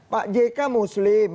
pak jk muslim